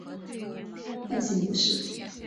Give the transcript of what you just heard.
惯性模式。